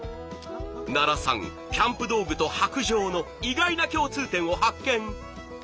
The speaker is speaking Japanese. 奈良さんキャンプ道具と白杖の意外な共通点を発見！